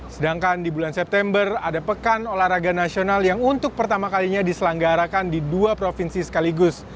sedangkan di bulan september ada pekan olahraga nasional yang untuk pertama kalinya diselanggarakan di dua provinsi sekaligus